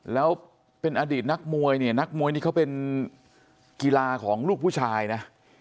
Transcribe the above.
แล้วเป็นอดีตนักมวยเนี่ยนักมวยนี่เขาเป็นกีฬาของลูกผู้ชายนะ